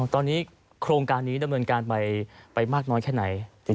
ตอนนี้โครงการนี้ดำเนินการไปมากน้อยแค่ไหน